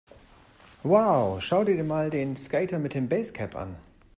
Wow, schau dir mal den Skater mit dem Basecap an!